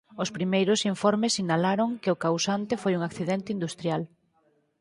Os primeiros informes sinalaron que o causante foi un accidente industrial.